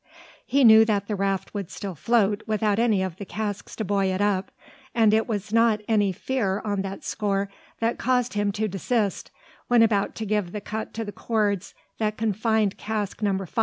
He knew that the raft would still float, without any of the casks to buoy it up; and it was not any fear on that score that caused him to desist, when about to give the cut to the cords that confined cask Number 5.